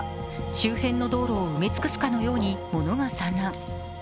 周辺の道路を埋め尽くすかのようにものが散乱。